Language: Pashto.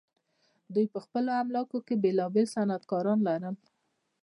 دوی په خپلو املاکو کې بیلابیل صنعتکاران لرل.